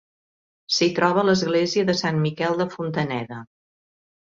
S'hi troba l'església de Sant Miquel de Fontaneda.